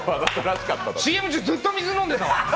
ＣＭ中ずっと水飲んでたわ。